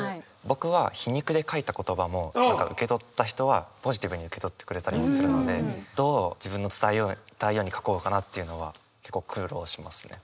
僕は皮肉で書いた言葉も何か受け取った人はポジティブに受け取ってくれたりもするのでどう自分の伝えたいように書こうかなっていうのは結構苦労しますね。